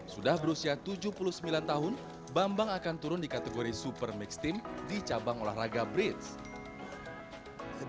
sudah berusia tujuh puluh sembilan tahun bambang akan turun di kategori super mix team di cabang olahraga bridge